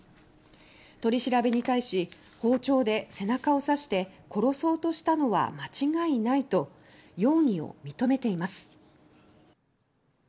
取り調べに対し「包丁で背中を刺して殺そうとしたのは間違いない」と容疑を認めています。